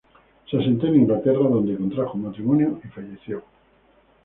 Se asentó en Inglaterra, donde contrajo matrimonio y fallece.